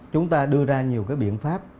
chúng ta đưa ra nhiều cái biện pháp